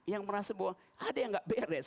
yang merasa bahwa ada yang gak beres